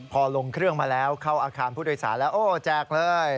พอลงเครื่องมาแล้วเข้าอาคารผู้โดยสารแล้วโอ้แจกเลย